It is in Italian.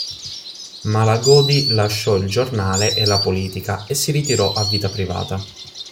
Malagodi lasciò il giornale e la politica e si ritirò a vita privata.